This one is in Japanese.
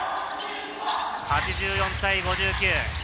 ８４対５９。